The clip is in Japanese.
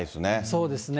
そうですね。